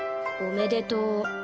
おめでとう。